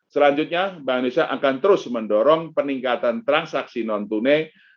selanjutnya bank indonesia akan terus mendorong peningkatan transaksi non tunai